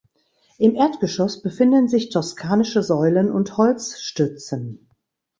Im Erdgeschoss befinden sich toskanische Säulen und Holzstützen.